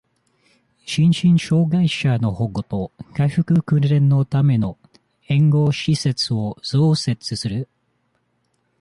心身障害者の保護と、回復訓練のための、援護施設を増設する。